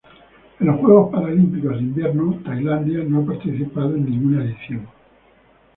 En los Juegos Paralímpicos de Invierno Tailandia no ha participado en ninguna edición.